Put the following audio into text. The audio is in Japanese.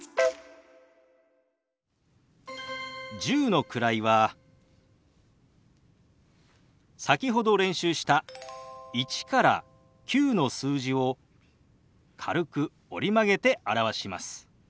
１０の位は先ほど練習した１から９の数字を軽く折り曲げて表します。